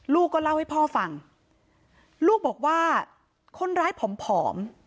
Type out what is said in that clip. ลูกก็เล่าให้พ่อฟังลูกบอกว่าคนร้ายผอม